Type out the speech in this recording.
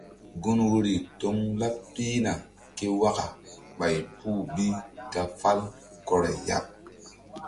Gun wori toŋ laɓ pihna ké waka ɓày puh bi ta fàl kɔray ya.